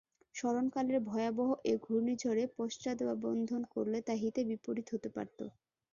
স্মরণকালের ভয়াবহ এ ঘূর্ণিঝড়ে পশ্চাদ্ধাবন করলে তা হিতে বিপরীত হতে পারত।